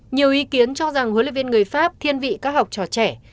nhiều ý kiến cho rằng huấn luyện viên người pháp thiên vị các học trò trẻ